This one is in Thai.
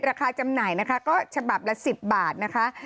จำหน่ายนะคะก็ฉบับละ๑๐บาทนะคะ